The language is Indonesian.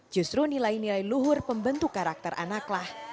justru nilai nilai luhur pembentuk karakter anaklah